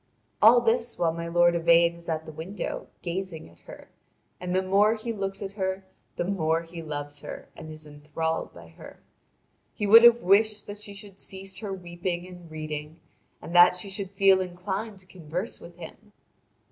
All this while my lord Yvain is at the window gazing at her, and the more he looks at her the more he loves her and is enthralled by her. He would have wished that she should cease her weeping and reading, and that she should feel inclined to converse with him.